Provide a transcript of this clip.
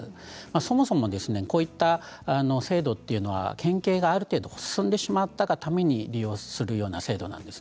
そもそも、こういった制度というのは変形がある程度進んでしまったがために利用するような制度なんです。